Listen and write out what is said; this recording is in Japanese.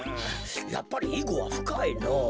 やっぱりいごはふかいのぉ。